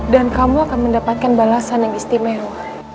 dan kamu akan mendapatkan balasan yang istimewa